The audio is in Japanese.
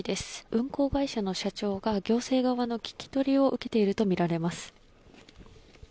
運航会社の社長が行政側の聞き取りを受けているとみられます。